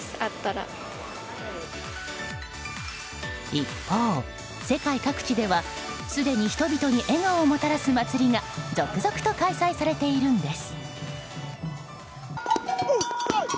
一方、世界各地ではすでに人々に笑顔をもたらす祭りが続々と開催されているんです。